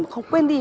không quên đi